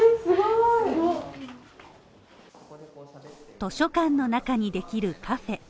図書館の中にできるカフェ。